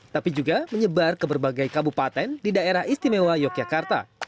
tapi juga menyebar ke berbagai kabupaten di daerah istimewa yogyakarta